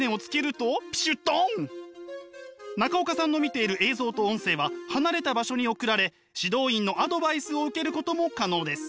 中岡さんの見ている映像と音声は離れた場所に送られ指導員のアドバイスを受けることも可能です。